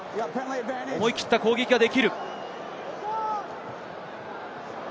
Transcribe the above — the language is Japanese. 思い切った攻撃ができる。